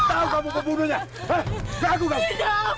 terima kasih dan lagi maaf penyayang